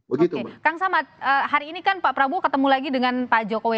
oke kang samad hari ini kan pak prabowo ketemu lagi dengan pak jokowi